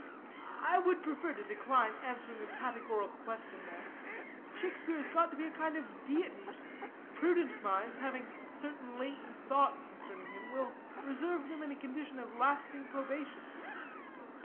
"I would prefer to decline answering a categorical question there. Shakespeare has got to be a kind of deity. Prudent minds, having certain latent thoughts concerning him, will reserve them in a condition of lasting probation.